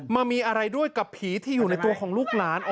มามีอะไรด้วยกับผีที่อยู่ในตัวของลูกหลาน